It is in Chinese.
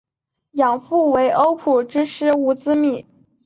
养父为欧普之狮乌兹米。